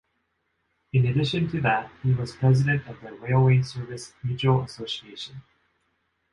In addition to that he was president of the “Railway Service Mutual Association".